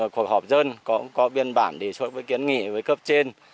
cuộc họp dân có biên bản để suốt với kiến nghị với cấp trên